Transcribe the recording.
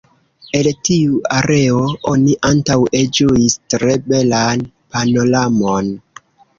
El tiu areo oni antaŭe ĝuis tre belan panoramon.